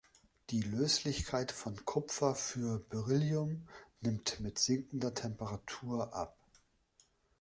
Die Löslichkeit von Kupfer für Beryllium nimmt mit sinkender Temperatur ab.